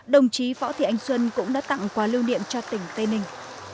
đồng chí võ thị ánh xuân cũng đã tặng quà lưu niệm cho tỉnh tây ninh